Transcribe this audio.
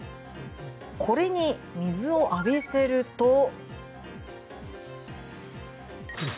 これに水を浴びせると。